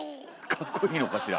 かっこいいのかしら。